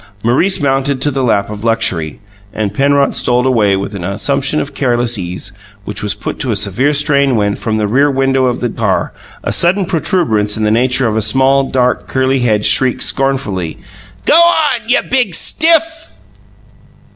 Maurice mounted to the lap of luxury, and Penrod strolled away with an assumption of careless ease which was put to a severe strain when, from the rear window of the car, a sudden protuberance in the nature of a small, dark, curly head shrieked scornfully: "Go on you big stiff!"